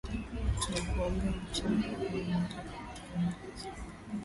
tunakuombea maisha marefu na uendelee kutuongoza sote